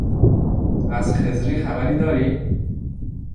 از خضری خبری داری؟